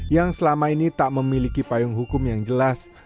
yang selama ini tak memiliki payung hukum yang jelas